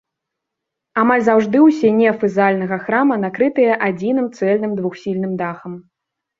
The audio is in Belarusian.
Амаль заўжды ўсе нефы зальнага храма накрытыя адзіным цэльным двухсхільным дахам.